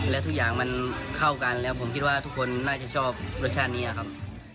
และทุกอย่างมันเข้ากันแล้วผมคิดว่าทุกคนน่าจะชอบรสชาตินี้ครับ